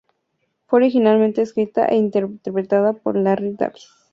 Fue originalmente escrita e interpretada por Larry Davis.